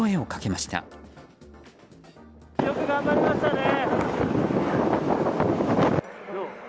よく頑張りましたね。